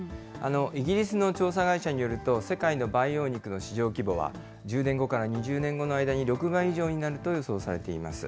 イギリスの調査会社によると、世界の培養肉の市場規模は１０年後から２０年後の間に６倍以上になると予想されています。